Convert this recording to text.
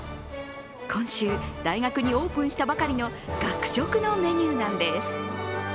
今週、大学にオープンしたばかりの学食のメニューなんです。